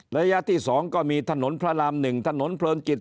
ระยะที่๒ก็มีถนนพระราม๑ถนนเพลินจิต